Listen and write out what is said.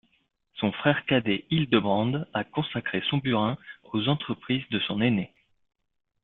Son frère cadet Hildebrand a consacré son burin aux entreprises de son aîné.